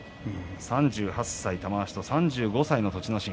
３８歳の玉鷲と３５歳の栃ノ心。